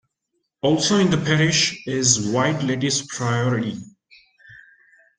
Also in the parish is White Ladies Priory.